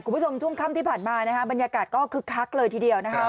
ช่วงค่ำที่ผ่านมานะฮะบรรยากาศก็คึกคักเลยทีเดียวนะครับ